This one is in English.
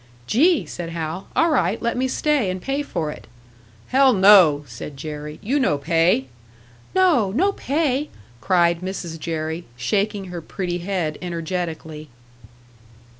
"Gee!" said Hal. "All right, let me stay, and pay for it." "Hell, no!" said Jerry. "You no pay!" "No! No pay!" cried Mrs. Jerry, shaking her pretty head energetically.